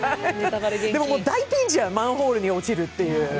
でも、大ピンチやん、マンホールに落ちるっていう。